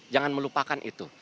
jangan melupakan itu